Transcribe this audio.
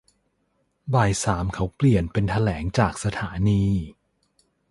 บ่ายสามเขาเปลี่ยนเป็นแถลงจากสถานี